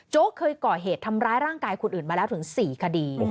เคยก่อเหตุทำร้ายร่างกายคนอื่นมาแล้วถึง๔คดี